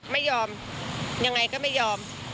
ไม่ยอมยังไงก็ไม่ยอม